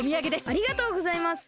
ありがとうございます！